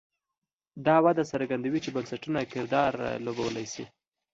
دا وده څرګندوي چې بنسټونه کردار لوبولی شي.